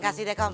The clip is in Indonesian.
kasih deh kom